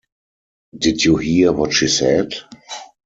Did you hear what she said?